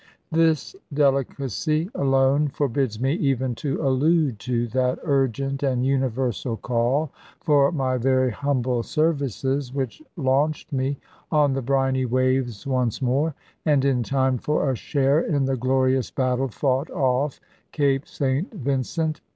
This delicacy alone forbids me even to allude to that urgent and universal call for my very humble services which launched me on the briny waves once more, and in time for a share in the glorious battle fought off Cape St Vincent.